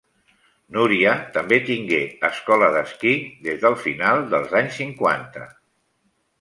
Núria també tingué escola d'esquí des del final dels anys cinquanta.